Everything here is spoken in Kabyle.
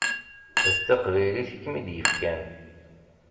D taqbaylit i kem-id-yefkan.